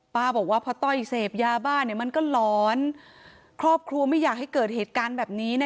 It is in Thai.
บอกว่าพอต้อยเสพยาบ้าเนี่ยมันก็หลอนครอบครัวไม่อยากให้เกิดเหตุการณ์แบบนี้นะ